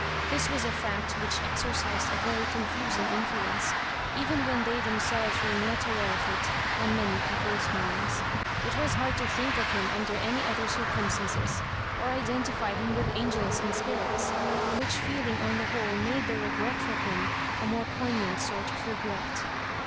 This was a fact which exercised a very confusing influence, even when they themselves were not aware of it, on many people's minds. It was hard to think of him under any other circumstances, or identify him with angels and spirits — ^which feeling on the whole made the regret for him a more poig nant sort of regret.